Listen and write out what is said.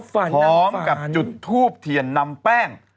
พร้อมกับจุดทูบเทียนนำแป้ง